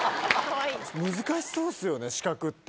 難しそうっすよね四角って。